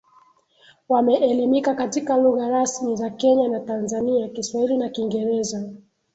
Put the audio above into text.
wameelimika katika lugha rasmi za Kenya na Tanzania Kiswahili na Kiingereza